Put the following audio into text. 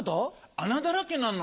穴だらけなの。